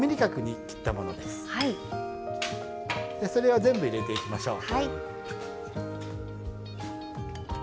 でそれは全部入れていきましょう。